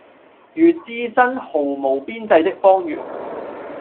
如置身毫無邊際的荒原，